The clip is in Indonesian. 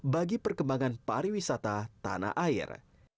bagi perkembangan pariwisata tanah air